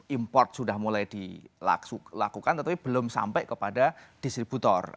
import sudah mulai dilakukan tetapi belum sampai kepada distributor